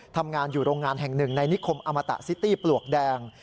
ทำงานอยู่โรงงานแห่งหนึ่งในนิคมอมตะซิตี้ปลวกแดง